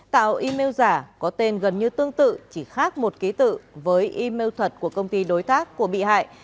tạo email giả có tên gần như tương tự chỉ khác một ký tự với email thật của công ty đối tác của bị hại